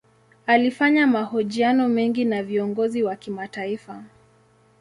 Alifanya mahojiano mengi na viongozi wa kimataifa.